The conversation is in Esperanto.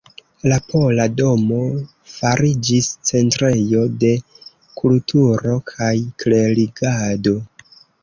La Pola domo fariĝis centrejo de kulturo kaj klerigado.